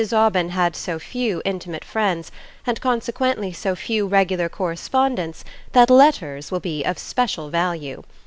Aubyn had so few intimate friends, and consequently so few regular correspondents, that letters will be of special value.